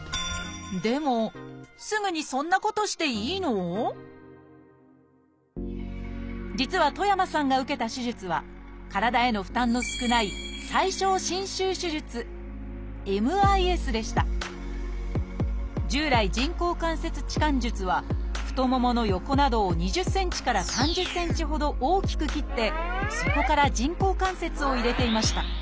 でも実は戸山さんが受けた手術は体への負担の少ない従来人工関節置換術は太ももの横などを２０センチから３０センチほど大きく切ってそこから人工関節を入れていました。